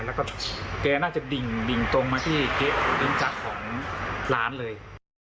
แล้วก็แกน่าจะดิ่งตรงมาที่ลิ้นจักรของร้านเลย